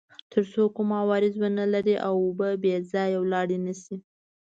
تر څو کوم عوارض ونلري او اوبه بې ځایه لاړې نه شي.